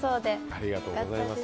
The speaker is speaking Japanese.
ありがとうございます。